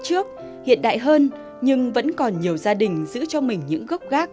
trước hiện đại hơn nhưng vẫn còn nhiều gia đình giữ cho mình những gốc gác